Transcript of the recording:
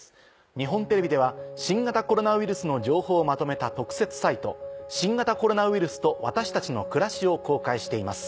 日本テレビでは新型コロナウイルスの情報をまとめた特設サイト。を公開しています。